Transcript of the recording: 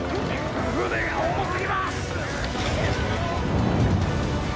「船が重過ぎます！」